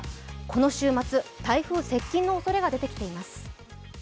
この週末、台風接近のおそれが出てきています。